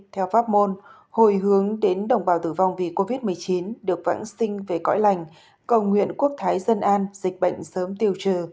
theo pháp môn hồi hướng đến đồng bào tử vong vì covid một mươi chín được vãng sinh về cõi lành cầu nguyện quốc thái dân an dịch bệnh sớm tiêu trừ